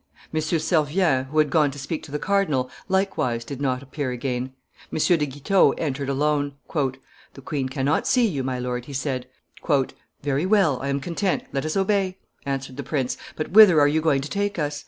M. Servien, who had gone to speak to the cardinal, likewise did not appear again. M. de Guitaut entered alone. "The queen cannot see you, my lord," he said. "Very well; I am content; let us obey," answered the prince: "but whither are you going to take us?